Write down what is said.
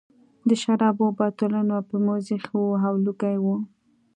د شرابو بوتلونه په مېز ایښي وو او لوګي وو